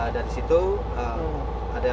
dari situ ada